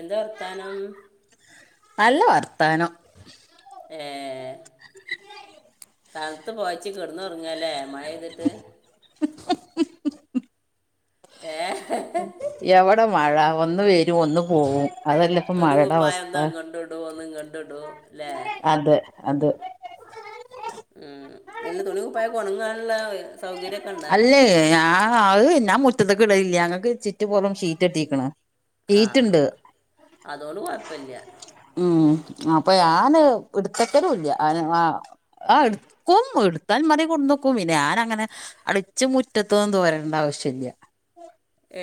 എന്താ വർത്താനം? നല്ല വർത്താനം. ഏ തൺത്ത് പോയച് കേട്ന്ന് ഒർങ്ങല്ലേ മഴയ്ത്ട്ട്. ഏഹ് എവടെ മഴ ഒന്ന് വെരും ഒന്ന് പോവും. അതല്ല ഇപ്പ മഴയുടെ തുണിംങ്കുപ്പായം അവസ്ഥ ഒന്നങ്ങട്ട്ടും ഒന്നും ഇങ്ങട്ട്ടും ല്ലെ അതെ അത് മം നല്ല തുണി പായങ്ങൾ ഒണങ്ങാനുള്ള സൗകര്യ അല്ലേയ് ഞാൻ അഹ് ഞാൻ മുറ്റത്തേക്ക് ഇടലില്ല. ഞങ്ങൾക്ക് ചുറ്റ് പൊറോ ഷീറ്റ് കെട്ടിക്ണ് ആഹ് അതൊണ്ട് കൊഴപ്പല്ല. മം അപ്പൊ ഞാന് എടുത്തക്കലുംല്ല [unintelligible] ആ ട്ക്കും എടുത്താൽമറിൽ കൊട്ന്ന് വേക്കും പിന്നെ ഞാനങ്ങനെ അല്ലച് മുറ്റത്തോന്നും തോരേണ്ട ആവശ്യല്ല.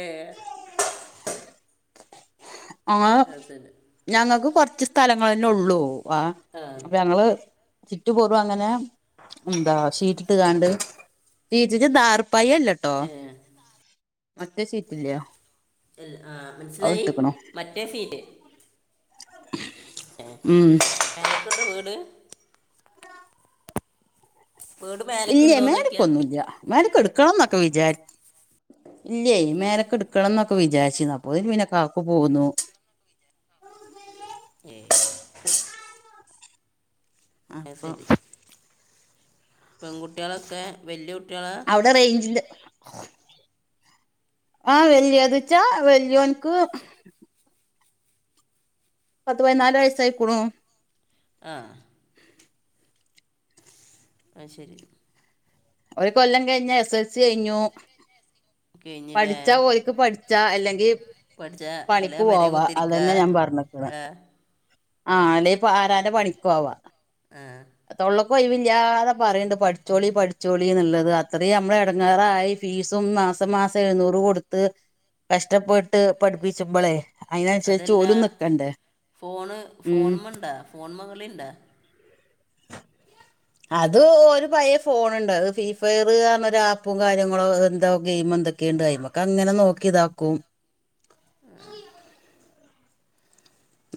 ഏഹ് [unintelligible] ആ അത് ശരി ഞങ്ങക്ക് കുറച്ച് സ്ഥലങ്ങന്നെ ഉള്ളൂ. ആ അപ്പൊ ഞങ്ങള് ചിറ്റ് പൊറും അങ്ങനെ എന്താ ഷീറ്റിട്ട്ക്കാണ്ട്. ചീച്ചി ദാർപ്പായി അല്ലട്ടോ? ഏ മറ്റേ ഷീറ്റില്ലേ [unintelligible] ആ അത് മനസ്സിലായി ഇട്ട്ക്ക്ണു മറ്റ സീറ്റ് ഏഹ് ഉം മേലക്ക്ണ്ടോ വീട്? വീട് ഇല്ല്യേ മേലക്കുണ്ടോന്ന് നോക്കിയാ മേലക്കൊന്നുല്ല മേലക്ക് ഇട്ക്കണം എന്നൊക്കെ വിചാരി ഇല്ല്യയ് മേലക്ക് ഇട്ക്കണം ന്നൊക്കെ വിചാരിച്ചിന്ന് അപ്പോതിന് പിന്നെ കാക്കു പോന്നു. ഏയ് അത് അപ്പോ ശരി പെൺകുട്ടികളൊക്കെ വല്യ കുട്ടിയാളാ? എവിടെ റേഞ്ചില് ആഹ് വല്യത്ച്ചാ വല്ല്യോൻക്ക് പത്ത് പയിനാലു വയസ്സായികുണു. ആഹ് ആഹ് ശേരി. ഒര് കൊല്ലം കഴിഞ്ഞ എസ്എസ്എൽസി ച്ച് കെയിഞ്ഞു കഴിഞ്ഞില്ലേ പഠിച്ച ഒല്ക്ക് പഠിച്ചാ അല്ലെങ്കി പഠിച്ച അല്ല പണിക്ക് പെരേ പോവാ. കുത്തിരിക്ക അതന്നെ ഞാൻ പറഞ്ക്ണ്. ആ ആഹ് അല്ലെ ഇപ്പ ആരാന്റെ പണിക്കോവാ ആഹ് തൊള്ളക്കൊഴിവില്ലാതെ പറിണ്ട് പഠിച്ചോളി പഠിച്ചോളീന്നുള്ളത് അത്രീ അമ്മള് എടങ്ങേറായി. ഫീസും മാസം മാസം എഴുന്നൂറ് കൊടുത്ത് കഷ്ടപ്പെട്ട് പഠിപ്പിച്ചുമ്പ ളെ. അതല്ലാ ഫോണ് ഉം ഫോൺമണ്ടാ ഫോൺമകളിണ്ടാ. അത് ഒരു പയ ഫോണുണ്ട് അതെ ഫ്രീ ഫയർ പരണ ആപ്പും കാര്യങ്ങളോ എന്തോ ഗെയിമെന്തൊക്കെ. ക്കെന്തായി മ്മക്ക്ങ്ങനെ നോക്കി താക്കും. ആഹ്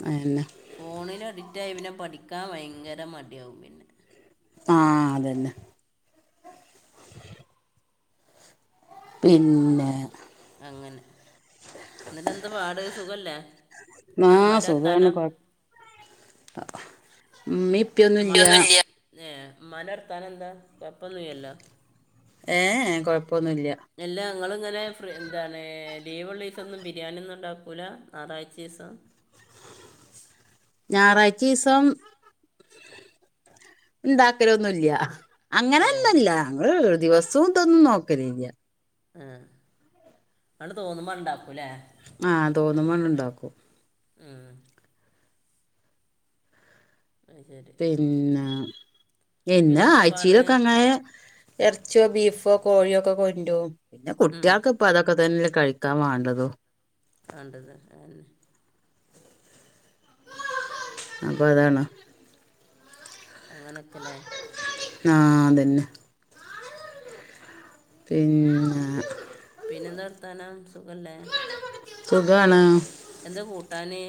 അഎന്നെ. ഫോണിലഡിക്റ്റായി പിന്നെ പഠിക്കാൻ വയങ്കര മട്യവും പിന്നെ. ആഹ് അതന്നെ. പിന്നെ അങ്ങനെ ന്നട്ടെന്ത പാട് സുഖല്ലേ? മാ എന്താ ഉമ്മാൻ്റെ സുഖാണ് വർത്താനം കൊഴ് അ മ്മി മ [unintelligible] ന്ത ചെയ്യ ഏഹ് മ്മാൻ്റെ വർത്താനെന്താ? കൊഴ്പ്പൊന്നയ്യല്ലോ? ഏഹ് എ കൊഴപ്പൊന്നൂല്യ. എല്ല നിങ്ങളിങ്ങനെ എന്താണ് ലീവുള്ള ദിവസം ഒന്നും. ബിരിയാണി ഒന്നും ഉണ്ടാക്കൂല്ല ഞറാഴ്ച ദിവസം. ഞാറായ്ച്ചീസം. ഉണ്ടാക്കലൊന്നൂല്യ ഏ അങ്ങനൊന്നില്ല ഞങ്ങൾ ദിവസവും ഇതൊന്നും നോക്കല്ലില. ആഹ് അണ്ട് തോന്നുമ്പ അണ്ടാക്കു ല്ലേ? ആഹ് തോന്നുമ്പണ്ട് ണ്ടാക്കും. ആഹ് അതു ശരി. പിന്നെ എന്നാ പിന്നെന്താ പാട് ആഴ്ച്ചിയിലൊക്കെ അങ്ങനെ. എർച്ചിയോ ബീഫോ കോഴിയോ ഒക്കെ കൊന്റോം പിന്നെ ഉം കുട്ട്യാക്ക്. പ്പതൊക്കെ തന്നെല്ലേ കഴിക്കാ വേണ്ടതു. ആണ്ടത് ആഹ് അപ്പ അതാണൊ. അങ്ങനൊക്കല്ലേ? ആഹ് അതന്നെ. പിന്നെ പിന്നെന്താ വർത്താനം സുഖല്ലേ സുഖാണ് എന്താ കൂട്ടാന്?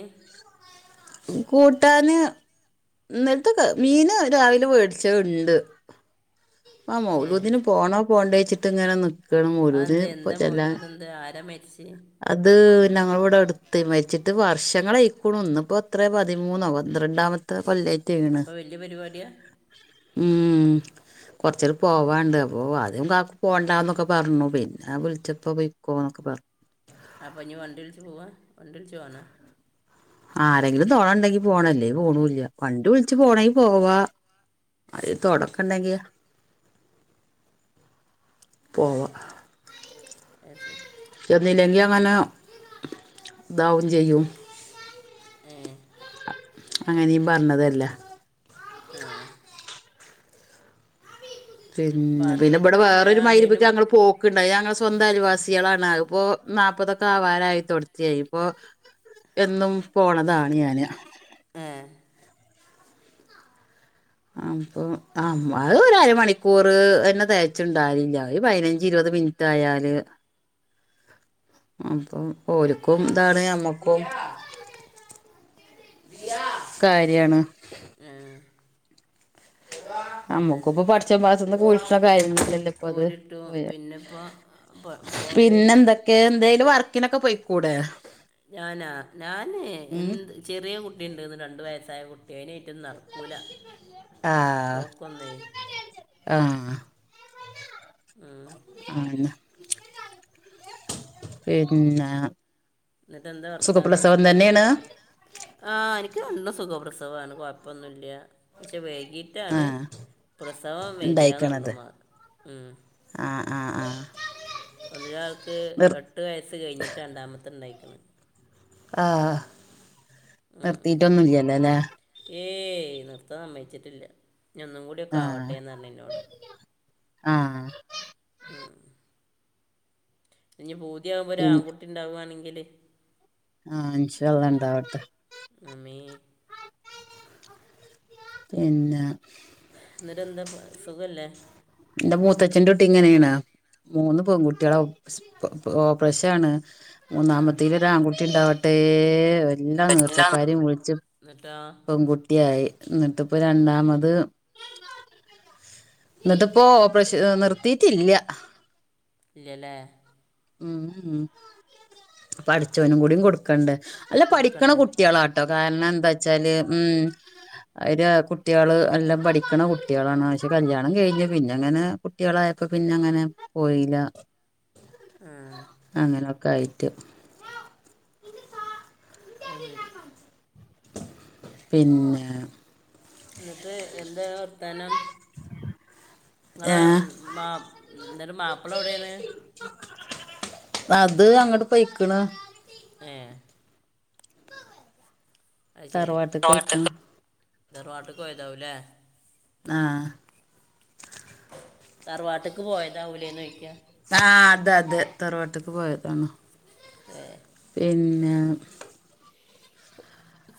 കൂട്ടാന്. ഇന്നലത്തെ മീന് രവലെ മേടിച്ചത് ഇണ്ട്. ആ ഏ മൗലൂദിന് പോണോ പോണ്ടേ ച്ചിട്ടിങ്ങനെ അ എന്തേ എന്താ മൗലൂതെന്തേ ആരാ മരിച്ചേ? അതൂ ഞങ്ങളിവിടടുത്ത് മരിച്ചിട്ട്. വർഷങ്ങളായിക്കൂണു ഇന്നിപ്പോ ത്രേ പതിമൂന്നോ പന്ത്രണ്ടാമത്തെ കൊല്ലയ്- അപ്പ വല്യ പരിപാടിയാ. ഉം. കൊറച്ചൽ പോവാണ്ട് അപ്പോ ആദ്യം കാക്ക് പോണ്ടാന്നൊക്കെ പർഞ്ഞു പിന്നെ ആ വിൾച്ചപ്പം പോയ്‌ക്കോന്നൊക്കെ പർ അപ്പഞ് വണ്ട്യുൾച്ച് പോവാ വണ്ടി ൾച്ച് പോണ. ആരെങ്കിലും തോണണ്ടെങ്കി പോണ ല്ലേ പോണൂല്ല വണ്ടി വിൾച്ച് പോണെങ്കി പോവാ. ആരെ തൊടക്കൊണ്ടെങ്കി പോവാ. അ സരി. ചെന്നില്ലെങ്കി അങ്ങനെ ഇതാവും ചെയ്യും. ഏ അങ്ങനീം പർഞ്ഞതല്ല. ആഹ്. പിന്നെ പറഞ്ഞിട്ട് പിന്നെഇബടെ പിന്നെ വോറരു മഗ്‌രിബ് ക് ആരേലും ഞങ്ങള്. പോ ക്ക്ണ്ട് ഞങ്ങ സ്വന്തം അയൽ വാസികളാണ് അതിപ്പോ നാൽപ്പത് തൊക്കെ ആവാറായി തൊടതി കഴിമ്പോ എന്നും പോണതാണ് ഞാന് ഏഹ് അപ്പൊ ആഹ് അത് ഒരു അരമണിക്കൂർ എണ്ണ തെകച്ച്ണ്ടാവൽല്യ ഒരു പതിനഞ്ച്, ഇരുപത് മിൻ തയാല് അപ്പൊ ഓരുക്കും ഉം, ഇതാണ് നമ്മ ഓഹ് കാര്യാണ് ഏഹ് നമ്മുക്ക് അതന്നെ ഇപ്പ പഠിച്ച പാസന്ന് കൂ [unintelligible] ഇപ്പ അത് കോലിട്ടു പിന്നെ ഇപ്പോൾ പിന്നെ പോയോര് എന്തൊക്കെ എന്തേനു വ ഇങ്ങനക്ക പൊയ് കൂടെ? ഞാനാ ഞാന് എന്ത് ചെറിയ കുട്ടി ഇണ്ട്ന്ന് രണ്ടു വയസ്സായ കുട്ടി അയിനായിട്ട് ന ആഹ് ആഹ് മ് അതന്നെ പിന്നെ എന്നിട്ട് എന്താ വർത്താനം സുഖപ്രസവം സുഖല്ലേ? തന്നെയാണ് ആ എനിക്ക് നല്ല സുഖപ്രസവാണ്. കൊഴപ്പമൊന്നുമില്ല പക്ഷെ വൈകി ട്ടാണ് ആഹ് പ്രസവം വരാന്നർഞ്ഞ് ഉണ്ടായിക്കണത് ഉമ്മ ഉം ആഹ് ആഹ് ആഹ് ഒന്നൊരാൾക്ക് നിർ എട്ട് വയസ്സ് കഴിഞ്ഞിട്ട് രണ്ടാമത്തെണ്ടായിക്ക്ണ്. ആഹ് ഉം. നിർത്തിട്ടൊന്നുംല്ല്യല്ലേ ല്ലെ ഏയ് നിർത്താൻ സമ്മയ്ച്ചിട്ടില്ല. ഞ ഒന്നും കൂടിക്കെ ആഹ് ആവട്ടെന്ന് ർഞ്ഞിന്നോട്. ആഹ് ഉം ഇഞ്ഞി പൂതിയാകുമ്പോ ഒരു പിൻ ആൺകുട്ടി ഇണ്ടാവാണെങ്കില് ആഹ് ഇൻഷാഅല്ലാഹ് ഉണ്ടാവട്ടെ. ആമീൻ പിന്നെ എന്നിട്ട് എന്താ പ്പോ സുഖല്ലേ? ഇന്റെ മൂത്തച്ഛന്റെ കുട്ടി ഇങ്ങനെയാണ് മൂന്ന് പെൺകുട്ടികളാൾക്ക് പ്പൊ പ്പൊ ഓപ്പറേഷാണ് ആ മൂന്നാമത്തേല് ഒരാൺകുട്ടി ഉണ്ടാവട്ടെ ഒ എല്ലാ നേർച്ചക്കാരും വിള്ച്ച് എന്നിട്ടോ പെൺകുട്ടിയായി എന്നിട്ട്പ്പ രണ്ടാമത് ഇന്ന്ട്ട്പ്പോ ഓപ്പറേഷ നിർത്തിയിട്ടില്ല. ഇല്ലല്ലേ ഉം ഉം പടച്ചവനും കൂടി കൊടുക്കണ്ടേ അല്ല പഠിക്ക്ണ കൊടുക്കണ്ടേ കുട്ട്യളാ. കാരണം എന്താ വച്ചാല് ഉം അവര് കുട്ട്യള് എല്ലാം പഠിക്ക്ണ കുട്ട്യളാണ്. ക്ഷെ കല്യാണം കഴിഞ്ഞ് പിന്നെ അങ്ങനെ കുട്ട്യളായപ്പോ പിന്നെ അങ്ങനെ പോയില്ല. ഉം അങ്ങനെയൊക്കെ ആയിട്ട് അത് സരി പിന്നെ ന്നിട്ട് എന്താ ങ്ങളെ വർത്താനം? ഇങ്ങള് ഏ മാ എന്തായാലും മാപ്പ്ള എവിടെയാണ്? അത് അങ്ങട്ട് പെയിക്ക്ണ്. ഏഹ് അത് ശരി തറവാട്ടക്ക് പൊയ്ക്കണ് തോട്ടത്ത് തറവാട്ട്ക്ക് പോയതാവൂല്ലേ. ആഹ് തറവാട്ട്ക്ക് പോയതാവുലേ ന്നൊയിക്കാ ആഹ് അത് അത് തറവാട്ട്ക്ക് പോയതാണ്. ഏഹ് പിന്നെ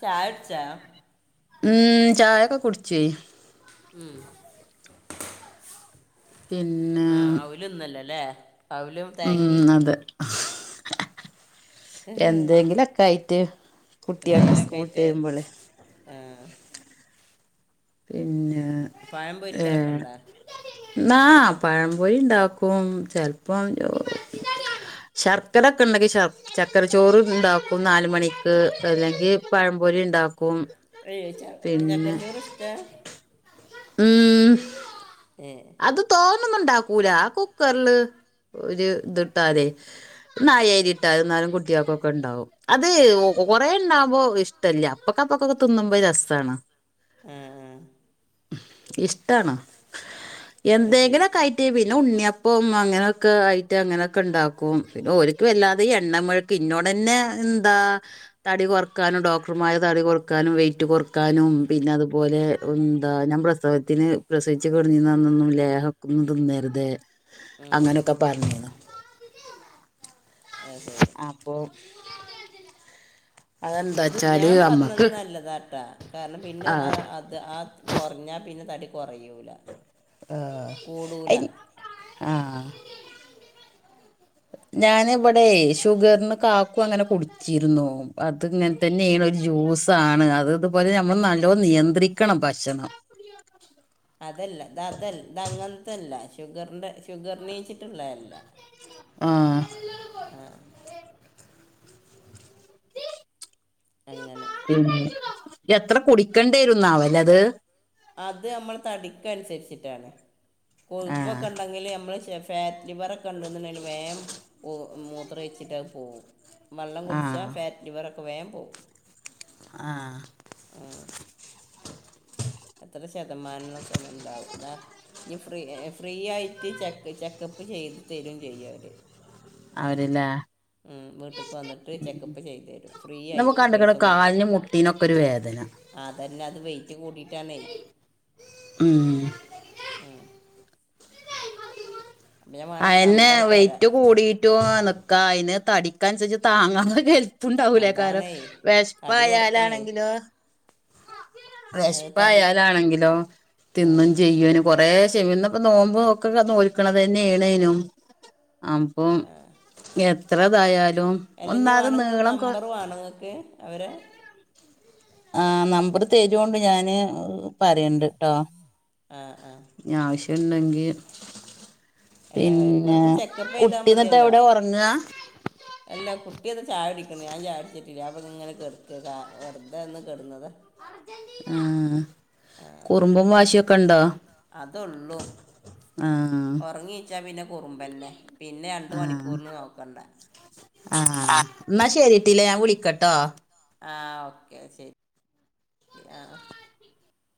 ചായ കുടിച്ചോ? ഉം ചായൊക്കെ കുടിച്ചെയ് ഉം. പിന്നെ. ആ ഔല് ന്നല്ലല്ല ലെ ഔലും ഉം അതെ എന്തെങ്കിലൊക്കായ്റ്റ്. കുട്ട്യക്ക് സ്കൂൾട്ട് വരുമ്പള്. ഏഹ് പിന്നെ പഴം പൊരിക്കലൊക്കെ ഏഹ് ഉണ്ടോ ന്നാ പഴംപൊരിണ്ടാക്കും ചെൽപ്പം എർ ശർക്കരൊക്കെണ്ടെങ്കി ശർ ചക്കര ചോറ് ണ്ടാക്കും നാല് മണിക്ക് അല്ലെങ്കി പഴംപൊരി ണ്ടാ [unintelligible] ചക്കരച്ചോറ് ഷ്ട? ഉം ഏ അത് തോനൊന്നുണ്ടാക്കൂല ആ കുക്കർല് ഒരു ത് ട്ടാലെ ഒര് നായേരി ട്ടാതി ന്നാലും കുട്ട്യേക്കൊക്ക ണ്ടാവും അത് കൊ കൊറെണ്ടാവുമ്പോ ഷ്ടല്ല അപ്പൊക്കപ്പൊക്കൊക്കെ തിന്നുമ്പോ രസാണ് ഏഹ് ഇഷ്ടാണ് അത് ശരി എന്തേങ്കിലൊക്കെ ആയിട്ട് പിന്നെ ഉണ്ണിയപ്പോം അങ്ങനൊക്ക ആയിട്ട് അങ്ങനൊക്ക ണ്ടാക്കും പിന്നെ ഓൽ ക്ക് വല്ലാതെ എണ്ണമെഴ്ക്ക് ഇന്നോടെന്നെ എന്താ തടി കൊർ കാരണം ഡോക്ടർമാര് തടി കൊറക്കാനും വെയ്റ്റ് കൊറക്കാനും പിന്നെ അതുപോലെ ന്താ ഞാൻ പ്രസവത്തിന് പ്രസവിച്ചു കെട്ന്നീന്ന അന്നൊന്നും ലേഹക്കൊന്നു തിന്നരുതെ ഉം, അങ്ങനൊക്ക പർണീന്നു ഏഹ് സെരി അപ്പോ ത് വച്ചാല് ഞാൻ പർണത് അമ്മക്ക് നല്ലതാട്ടാ കാരണം പിന്നെ ആ അ ത് ആ ത് കുർഞ്ഞാ പിന്നെ തടി കൊറയൂല ആ [unintelligible] ആ ഞാന് വടെയ് ഷുഗർന് കാക്കു അങ്ങനെ കുടിച്ചിരുന്നു അത് ങ്ങൻ തന്നെണ് ഒരു ജ്യൂസാണ് അത് ഇതുപോലെ നമ്മള് നല്ലോം നിയന്ത്രിക്കണം ഭക്ഷണം അതല്ല ത തൽ ത അങ്ങൻത്തല്ല ഷുഗർൻ്റെ ഷുഗർ നീച്ചിട്ട്ള്ള അല്ല ആ ആഹ് അങ്ങനെ ഉം എത്ര കുടിക്കണ്ടേരും ന്നാവല്ലേ ത് അത് യമ്മൾ തടിക്കൻസരിച്ചിട്ടാണ് ആ കൊഴുപ്പൊക്കണ്ടങ്കില് ഞമ്മള് ശഫ് ഫാറ്റ് ലിവർ ഒക്കെ ണ്ട് ന്ന്ണ്ടെല് വേം ഒ മൂത്രയ്ച്ചിട്ട അത് പോവും വള്ളം ആ കുടിച്ചാ ഫാറ്റ് ലിവറൊക്കെ വേം പോവും ആഹ് ഉം എത്ര ശതമാനം ന്നൊക്കെ ഒന്ന് ണ്ടാവും അതാ ഇഞ് ഫ്രീ എ ഫ്രീ ആയിട്ട് ചെക്ക് ചെക്കപ്പ് ചെയ്ത് തരും ചെയ്യു അവര് അവര് ല്ലേ ഉം വീട്ട്ക്ക് വന്ന്ട്ട് ചെക്കപ്പ് ചെയ്തെരും ഫ്രീ നമുക്ക് ആയിട്ട് കണ്ടുക്കണ പൈസൊന്നു കാലിന് മുട്ടീനൊക്കെ ഒരു വേദന അതന്നെ അത് വെയിറ്റ് കൂടീട്ടാണെയ് ഉം ഉം അപ്പം ഞാൻ വേണമെങ്കിൽ അയെന്നെ നമ്പർ തരാം വെയ്റ്റ് കൂടീറ്റു അ നിക്കാ അയ്ന് തടിക്കൻസരിച്ച് താങ്ങാള്ള കെൽ ത്തുണ്ടാവൂലേക്കാരം അതാണേ തടി കുറക്കണേ വെശ്പായാലാണെങ്കിലോ അത് തടി വെശ്പായാലാണെങ്കിലോ ആ തിന്നും ചെയ്യനു കൊറെ ശെ ഇന്ന്പ്പ നോമ്പോ നോക്ക നോക്കണത് തന്നെെയണു അപ്പൊ എത്രതായാലും എല്ലഞ്ഞി ഒന്നാത് വാനങ്ങ നീളം കൊ നമ്പർ വാണ ങ്ങക്ക് അവരെ ആ നമ്പർ തരോണ്ട് ഞാന് പറയണ്ട് ട്ടോ ആ ആ ഞ ആവശ്യണ്ടെങ്കി അല്ല പിന്നെ വെറുതെ ചെക്കപ്പ് ചെയ്താൽ കുട്ടി ന്നട്ട് മതിയല്ലോ എവിടെ ഉറങ്ങാ അല്ല കുട്ടിയത് ചായ കുടിക്കണ് ഞാൻ ചായ കുടിടിച്ചിട്ടില്യ അപ്പൊ ങ്ങനെ കെട്ക്കാ വെറുത ഒന്ന് കെടുന്നത ആഹ് ആ അതള്ളൂ ആ ഒറങ്ങി ച്ചാ പിന്നെ കുറുമ്പ്ന്നെ പിന്നെ രണ്ട് ആ മണിക്കൂറിന് നോക്കണ്ട ആ എന്നാ ശരിട്ടില്ലേ ഞാൻ വിളിക്കട്ടോ ആഹ് ഓക്കെ ശരി ആ